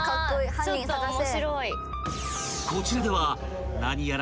［こちらでは何やら］